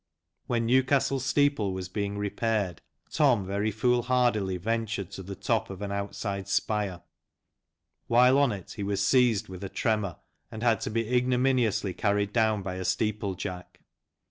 When Newcastle steeple was being repaired, Tom very foolhardily THE CHILDREN OF TIM BOB'BIN. 127 ventured to the top of an outside spire. While on it he was seized with a tremor, and had to be ignominiously carried down by a Steeple Jack.